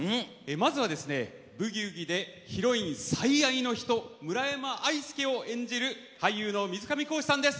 まずは「ブギウギ」でヒロイン最愛の人村山愛助を演じる俳優の水上恒司さんです。